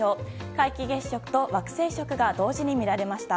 皆既月食と惑星食が同時に見られました。